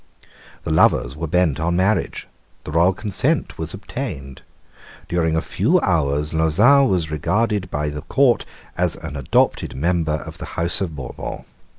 The lovers were bent on marriage. The royal consent was obtained. During a few hours Lauzun was regarded by the court as an adopted member of the house of Bourbon.